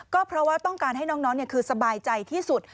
ก็เพราะว่าต้องการให้น้องคือสบายใจที่สุด